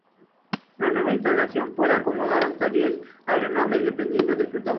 La nueva instalación puede acomodar hasta diez aeronaves dependiendo del tamaño.